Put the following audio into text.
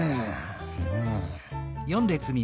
うん。